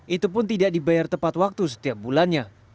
itu pun tidak dibayar tepat waktu setiap bulannya